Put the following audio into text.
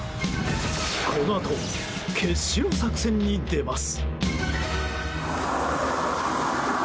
このあと決死の作戦に出ます。